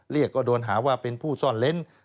เรียกก็โดนหาว่าเป็นผู้ซ่อนเล้น